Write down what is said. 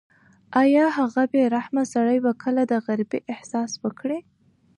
ایا هغه بې رحمه سړی به کله د غریبۍ احساس وکړي؟